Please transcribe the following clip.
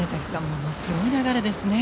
ものすごい流れですね。